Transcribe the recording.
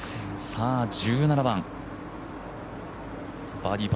さあ１７番。